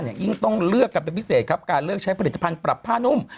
ยิ่งต้องเลือกกันเป็นพิเศษครับการเลือกใช้ผลิตภัณฑ์ปรับผ้านุ่ม